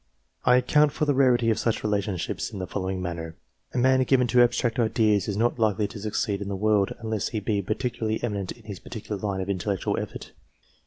I account for the rarity of such relationships in the following manner. A man given to abstract ideas is not likely to succeed in the world, unless he be particularly eminent in his peculiar line of intellectual effort.